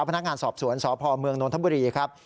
พนักงานสอบสวนสพเมืองนทบุรีครับ